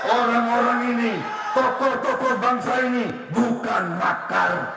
orang orang ini tokoh tokoh bangsa ini bukan makar